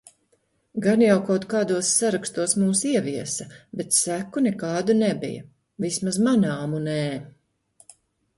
Gan jau kaut kādos sarakstos mūs ieviesa, bet seku nekādu nebija. Vismaz manāmu nē.